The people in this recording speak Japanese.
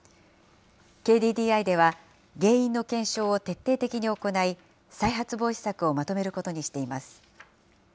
ＫＤＤＩでは、原因の検証を徹底的に行い、再発防止策をまとめることにしています。